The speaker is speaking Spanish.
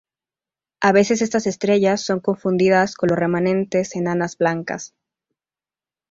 A veces estas estrellas son confundidas con los remanentes enanas blancas.